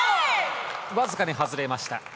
わずかに外れました。